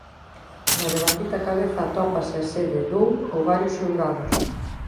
Na devandita cabeza atópase a sede dun ou varios xulgados.